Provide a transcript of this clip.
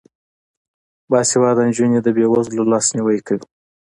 باسواده نجونې د بې وزلو لاسنیوی کوي.